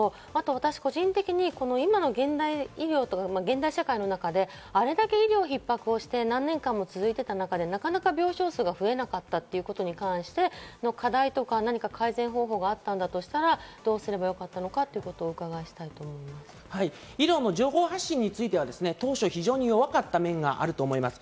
私、個人的に今の現代医療、現代社会の中で、あれだけ医療逼迫して、何年間も続いていた中で、なかなか病床数が増えなかったことに関しての課題とか、何か改善方法があったんだとしたら、どうすればよかったのか伺いたい医療の情報発信については当初、非常に弱かった面があると思います。